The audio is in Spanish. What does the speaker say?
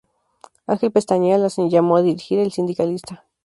Ángel Pestaña le llamó a dirigir "El Sindicalista".